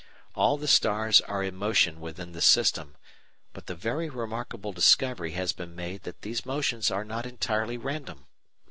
All the stars are in motion within this system, but the very remarkable discovery has been made that these motions are not entirely random.